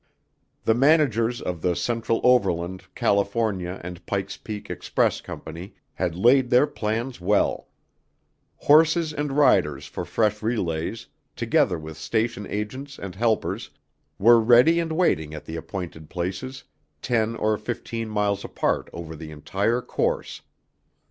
The managers of the Central Overland, California and Pike's Peak Express Company had laid their plans well. Horses and riders for fresh relays, together with station agents and helpers, were ready and waiting at the appointed places, ten or fifteen miles apart over the entire course.